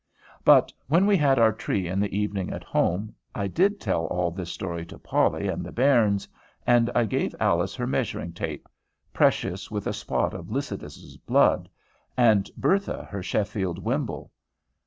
But, when we had our tree in the evening at home, I did tell all this story to Polly and the bairns, and I gave Alice her measuring tape, precious with a spot of Lycidas's blood, and Bertha her Sheffield wimble.